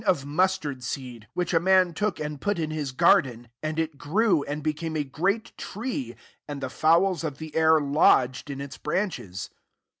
155 turd seed, iTt'hich a man took and put in his garden ; and it grew, and became a ("great] tree, and the fowls of the air lodged in its branches."